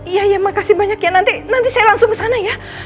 iya ya makasih banyak ya nanti saya langsung ke sana ya